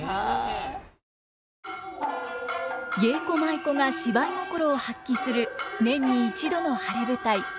芸妓舞妓が芝居心を発揮する年に一度の晴れ舞台